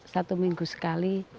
satu minggu sekali